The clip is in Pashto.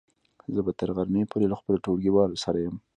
زه به تر غرمې پورې له خپلو ټولګیوالو سره يم.